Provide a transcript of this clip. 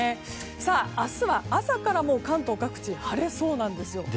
明日は朝からもう関東各地晴れそうなんですよ。